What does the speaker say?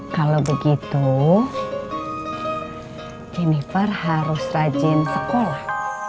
kalau begitu jennifer harus rajin sekolah